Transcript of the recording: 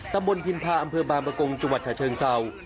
ตำบลพิมพาอำเภอบางประกงจังหวัดฉะเชิงเศร้า